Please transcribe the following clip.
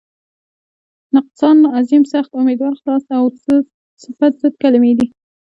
نقصان، عظیم، سخت، امیدوار، خلاص او صفت ضد کلمې دي.